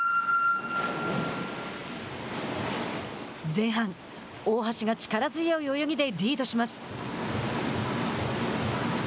前半、大橋が力強い泳ぎでリードします。